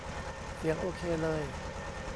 เสียงโอเคเลย